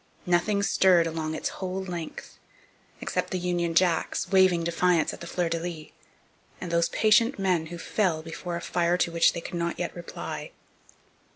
Nothing stirred along its whole length, except the Union Jacks, waving defiance at the fleurs de lis, and those patient men who fell before a fire to which they could not yet reply.